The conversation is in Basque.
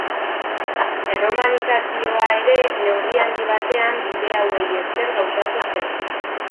Erromanizazioa ere neurri handi batean bide hauei esker gauzatu zen.